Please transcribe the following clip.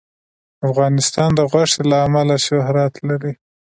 افغانستان د غوښې له امله شهرت لري.